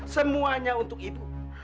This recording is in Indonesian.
semuanya untuk ibu